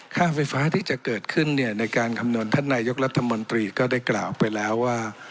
ค่าไฟฟ้าที่จะเกิดขึ้นเนี่ยในการคำนวณท่านนายกรัฐมนตรีก็ได้กล่าวไปแล้วว่า